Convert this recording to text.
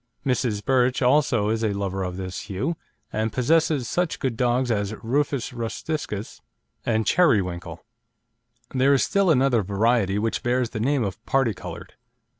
Mrs. Birch also is a lover of this hue, and possesses such good dogs as Rufus Rusticus and Cheriwinkle. There is still another variety which bears the name of parti coloured.